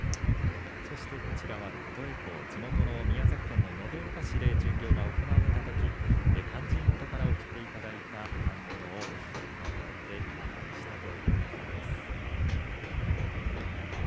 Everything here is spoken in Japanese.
そしてこちら琴恵光地元宮崎県の延岡で巡業が行われたとき勧進元から贈られた反物を、このような浴衣に仕立てたということです。